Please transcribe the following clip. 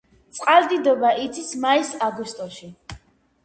წყალდიდობა იცის მაის-აგვისტოში.